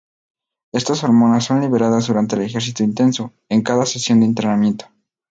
Estas hormonas son liberadas durante el ejercicio intenso, en cada sesión de entrenamiento.